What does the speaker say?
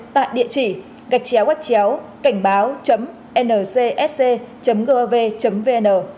tại địa chỉ gạch chéo quách chéo cảnh báo ncsc gov vn